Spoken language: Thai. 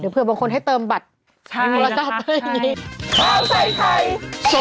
เดี๋ยวเผื่อบางคนให้เติมบัตร